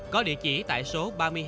có địa chỉ tại số ba mươi hai